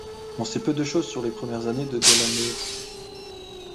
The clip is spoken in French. On sait peu de choses sur les premières années de Della Moore.